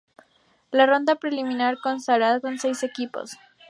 La ronda preliminar constará con seis equipos.